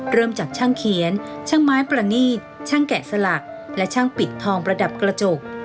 เริ่มจากช่างเขียนช่างไม้ประนีตช่างแกะสลักและช่างปิดทองประดับกระจก